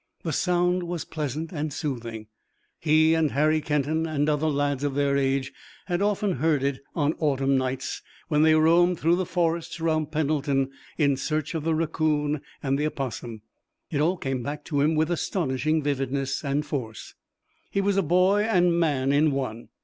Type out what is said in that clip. The sound was pleasant and soothing. He and Harry Kenton and other lads of their age had often heard it on autumn nights, when they roamed through the forests around Pendleton in search of the raccoon and the opossum. It all came back to him with astonishing vividness and force. He was boy and man in one.